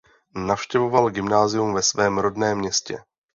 Navštěvoval gymnázium ve svém rodném městě.